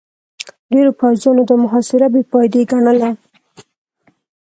ډېرو پوځيانو دا محاصره بې فايدې ګڼله.